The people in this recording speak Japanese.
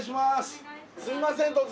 すみません